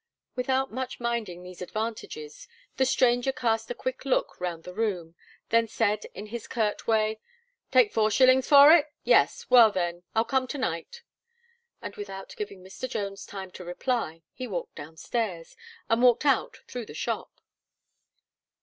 Without much minding these advantages, the stranger cast a quick look round the room, then said in his curt way: "Take four shillings for it? Yes. Well then, I'll come to night." And without giving Mr. Jones time to reply, he walked downstairs, and walked out through the shop.